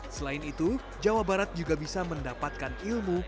selain itu jawa barat juga bisa mendapatkan ilmu